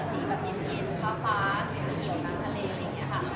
สีแบบเย็นฟ้าเสียงไฟติดมันทะเลอะไรอย่างเงี้ยค่ะ